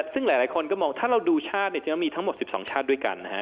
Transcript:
ซึ่งหลายคนก็มองถ้าเราดูชาติจะต้องมีทั้งหมด๑๒ชาติด้วยกัน